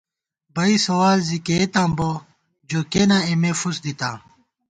بئ سوال زی کېئیتاں بہ ، جو کېنا اېمے فُس دِتاں